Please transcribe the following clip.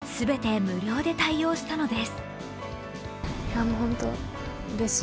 全て無料で対応したのです。